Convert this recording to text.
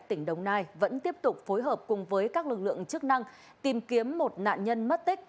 tỉnh đồng nai vẫn tiếp tục phối hợp cùng với các lực lượng chức năng tìm kiếm một nạn nhân mất tích